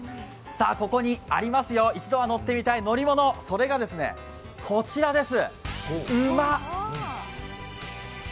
ここにありますよ、一度は乗ってみたい乗り物、それがこちらです。